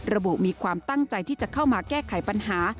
มีความตั้งใจที่จะเข้ามาแก้ไขปัญหา